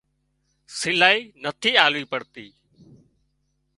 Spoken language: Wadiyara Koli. سلائي نٿي آلوي پڙتي